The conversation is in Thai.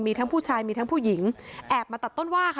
มีทั้งผู้ชายมีทั้งผู้หญิงแอบมาตัดต้นว่าค่ะ